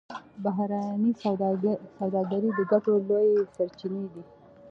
بهرنۍ سوداګري د ګټو لویې سرچینې دي